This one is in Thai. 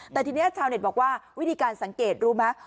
แต่ทีนี้ชาวเน็ตบอกว่าวิธีการสังเกตรู้ไหม